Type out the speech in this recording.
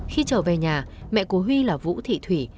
khi trở về nhà mẹ của huy là vũ thị thủy